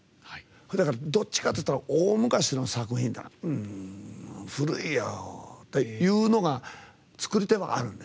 だから、どっちかっていったら「大昔の作品、古いよ」っていうのが作り手はある。